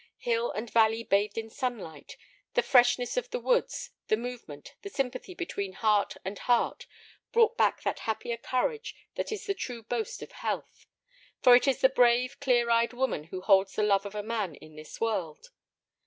Hill and valley bathed in sunlight, the freshness of the woods, the movement, the sympathy between heart and heart, brought back that happier courage that is the true boast of health. For it is the brave, clear eyed woman who holds the love of a man in this world.